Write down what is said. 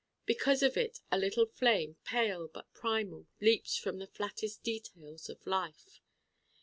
Because of it a little flame, pale but primal, leaps from the flattest details of life.